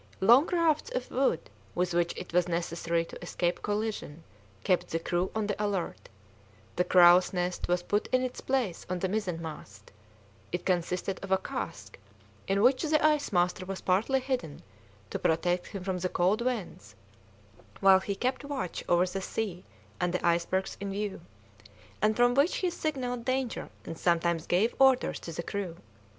Long rafts of wood, with which it was necessary to escape collision, kept the crew on the alert; the crow's nest was put in its place on the mizenmast; it consisted of a cask, in which the ice master was partly hidden to protect him from the cold winds while he kept watch over the sea and the icebergs in view, and from which he signalled danger and sometimes gave orders to the crew.